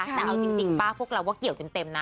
แต่เอาจริงป้าพวกเราก็เกี่ยวเต็มนะ